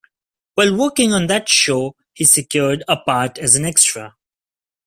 While working on that show, he secured a part as an extra.